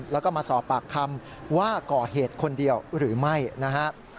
แล้วก็มาสอบปากคำว่าก่อเหตุคนเดียวหรือไม่นะครับ